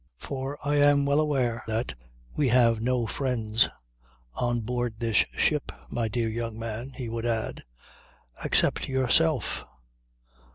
"For I am well aware that we have no friends on board this ship, my dear young man," he would add, "except yourself.